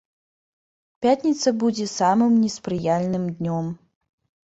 Пятніца будзе самым неспрыяльным днём.